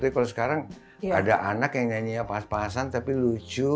tapi kalau sekarang ada anak yang nyanyinya pas pasan tapi lucu